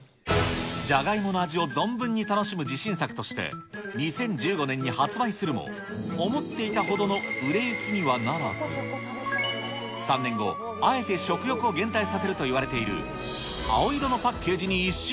じゃがいもの味を存分に楽しむ自信作として、２０１５年に発売するも、思っていたほどの売れ行きにはならず、３年後、あえて食欲を減退させるといわれている青色のパッケージに一新。